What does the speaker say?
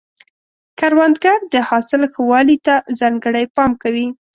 کروندګر د حاصل ښه والي ته ځانګړی پام کوي